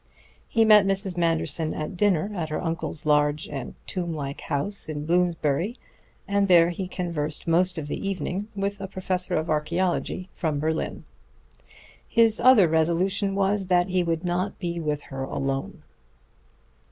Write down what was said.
He met Mrs. Manderson at dinner at her uncle's large and tomb like house in Bloomsbury, and there he conversed most of the evening with a professor of archaeology from Berlin. His other resolution was that he would not be with her alone.